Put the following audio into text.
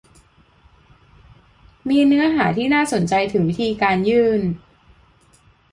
มีเนื้อหาที่น่าสนใจถึงวิธีการยื่น